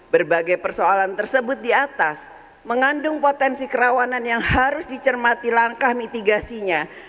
berbagai persoalan tersebut di atas mengandung potensi kerawanan yang harus dicermati langkah mitigasinya